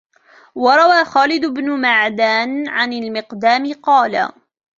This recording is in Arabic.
وَرَوَى خَالِدُ بْنُ مَعْدَانَ عَنْ الْمِقْدَامِ قَالَ